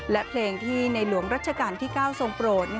และเพลงที่ในหลวงรัชกาลที่๙ทรงโปรด